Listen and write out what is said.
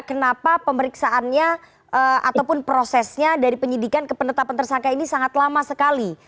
kenapa pemeriksaannya ataupun prosesnya dari penyidikan ke penetapan tersangka ini sangat lama sekali